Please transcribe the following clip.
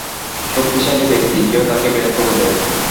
শক্তিশালী ব্যাক্তি - কেউ তাকে বের করে দে!